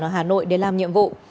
ở hà nội để làm nhiệm vụ